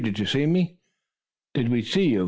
Did you see me?" "Did we see you?